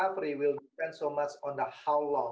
pembalasan akan bergantian